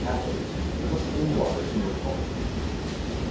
apples, cooked in water to a pulp.